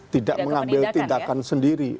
tidak mengambil tindakan sendiri